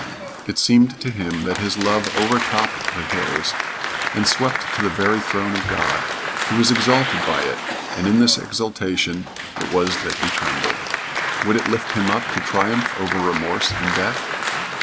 It seemed to him that his love overtopped the hills and swept to the very throne of God. He was exalted by it, and in this exaltation it was that he trembled. Would it lift him up to triumph over remorse and death?